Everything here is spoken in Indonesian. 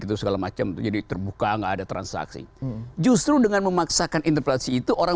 itu segala macam itu jadi terbuka nggak ada transaksi justru dengan memaksakan interpelasi itu orang